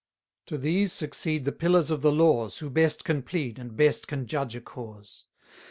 To these succeed the pillars of the laws, Who best can plead, and best can judge a cause.